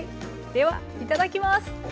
ではいただきます。